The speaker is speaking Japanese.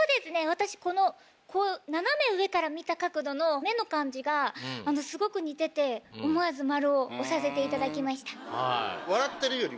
私この斜め上から見た角度の目の感じがすごく似てて思わず「○」を押させていただきました。